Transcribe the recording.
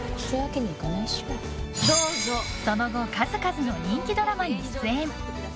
その後数々の人気ドラマに出演。